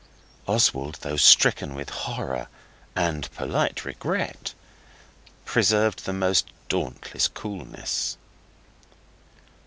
Oswald, though stricken with horror and polite regret, preserved the most dauntless coolness.